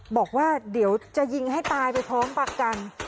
บอกว่าเดี๋ยวจะยิงให้ตายไปพร้อมประกัน